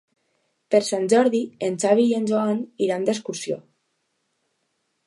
Per Sant Jordi en Xavi i en Joan iran d'excursió.